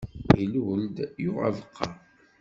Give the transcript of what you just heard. Ilul-d, yuɣ abeqqa.